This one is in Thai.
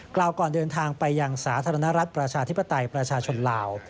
กล่าวก่อนเดินทางไปยังสาธารณรัฐประชาธิปไตยประชาชนลาว